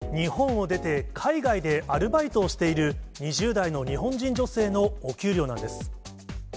これは日本を出て海外でアルバイトをしている２０代の日本人女性のお給料なんです。